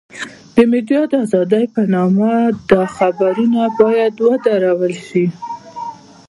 د ميډيا د ازادۍ په نامه دا خبرونه بايد ودرول شي.